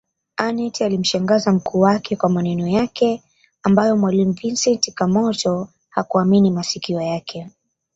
Aneth alimshangaza mkuu wake kwa maneno yake ambayo mwalimu Vincent Kamoto hakuamini masikio yake